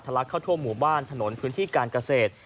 ลักเข้าทั่วหมู่บ้านถนนพื้นที่การเกษตร